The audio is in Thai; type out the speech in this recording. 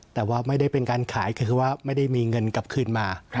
แต่ว่าไม่ได้เป็นการขายคือว่าไม่ได้มีเงินกลับคืนมา